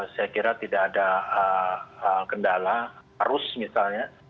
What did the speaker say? saya kira tidak ada kendala arus misalnya